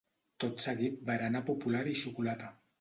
Tot seguit berenar popular i xocolata.